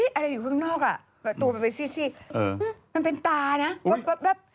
เอ๊ะอะไรอยู่ข้างนอกล่ะประตูมันเป็นซีดมันเป็นตานะปุ๊บปุ๊บปุ๊บ